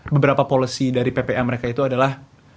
beberapa policy dari ppa mereka itu adalah